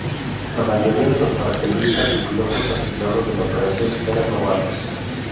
La mayoría de los paracaidistas y pilotos asignados a la operación eran novatos.